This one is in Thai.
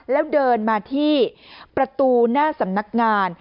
แล้วเดินมาที่ประตูหน้าสำนักงาน